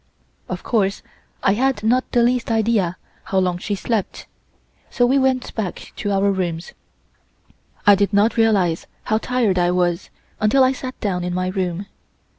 Of course I had not the least idea how long she slept. So we went back to our rooms. I did not realize how tired I was until I sat down in my room.